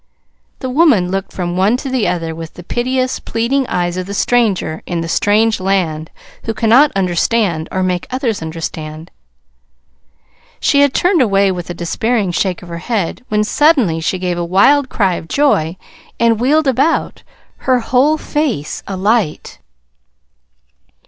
The woman looked from one to the other with the piteous, pleading eyes of the stranger in the strange land who cannot understand or make others understand. She had turned away with a despairing shake of her head, when suddenly she gave a wild cry of joy and wheeled about, her whole face alight.